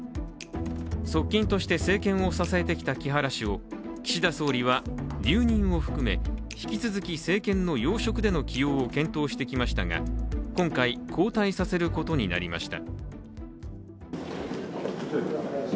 側近として政権を支えてきた木原氏を岸田総理は留任を含め引き続き政権の要職での起用を検討してきましたが、今回交代させることになりました。